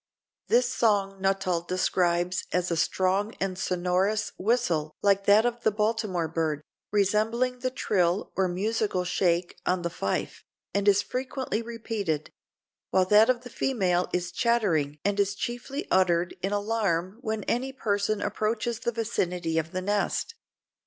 This song Nuttall describes as a strong and sonorous whistle like that of the Baltimore bird, "resembling the trill or musical shake on the fife, and is frequently repeated; while that of the female is chattering and is chiefly uttered in alarm when any person approaches the vicinity of the nest.